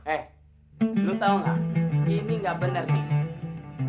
eh lu tau gak ini gak bener nih